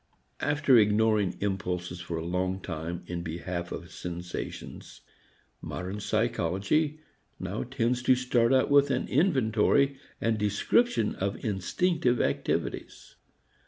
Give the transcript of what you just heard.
After ignoring impulses for a long time in behalf of sensations, modern psychology now tends to start out with an inventory and description of instinctive activities.